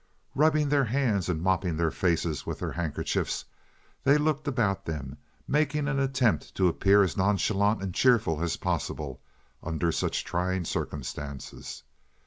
Rubbing their hands and mopping their faces with their handkerchiefs, they looked about them, making an attempt to appear as nonchalant and cheerful as possible under such trying circumstances.